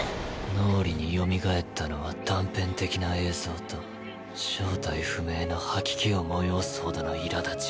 脳裏に甦ったのは断片的な映像と正体不明の吐き気を催す程の苛立ち。